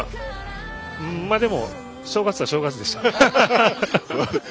正月は正月でした。